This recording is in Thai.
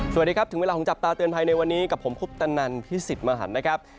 สวัสดีครับถึงเวลาของจับตาเตือนภัยในวันนี้กับผมคุปตนันพี่สิทธิ์มหันนะครับ